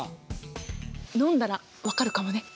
飲んだら分かるかもね。